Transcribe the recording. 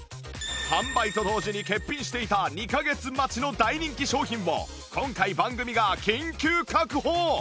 販売と同時に欠品していた２カ月待ちの大人気商品を今回番組が緊急確保！